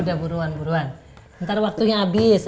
udah buruan buruan ntar waktunya habis